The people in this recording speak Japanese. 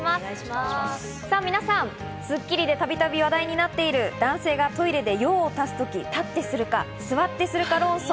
さぁ皆さん、『スッキリ』でたびたび話題になっている男性がトイレで用をたす時、立ってするか座ってするか論争。